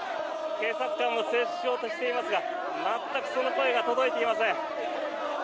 警察官も制止しようとしていますが全くその声が届いていません。